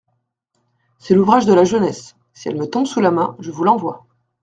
C'est l'ouvrage de la jeunesse ; si elle me tombe sous la main, je vous l'envoie.